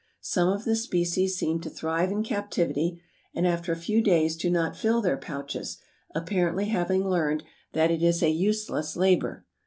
Some of the species seem to thrive in captivity, and after a few days do not fill their pouches, apparently having learned that it is a useless labor.